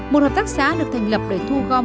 một hợp tác xã được thành lập để thu gom